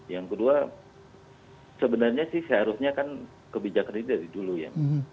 yang kedua sebenarnya sih seharusnya kan kebijakan ini dari dulu ya